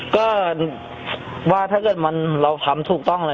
ก็ว่าถ้าเกิดเราทำถูกต้อง